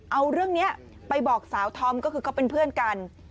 เอาเรื่องนี้ไปบอกสาวธอมก็คือเขาเป็นเพื่อนกัน